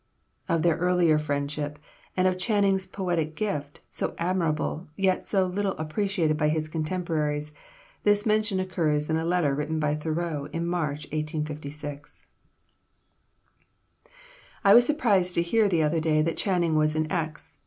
Of their earlier friendship, and of Channing's poetic gift, so admirable, yet so little appreciated by his contemporaries, this mention occurs in a letter written by Thoreau in March, 1856: "I was surprised to hear the other day that Channing was in X.